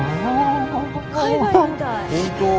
海外みたい。